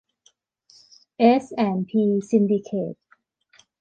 เอส แอนด์ พี ซินดิเคท